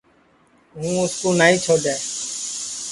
ہُوں اُس کُو نائی چھوڈؔے